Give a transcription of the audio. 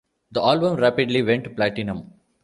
The album rapidly went platinum.